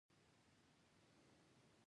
اسلام قلعه بندر څومره ګمرک ورکوي؟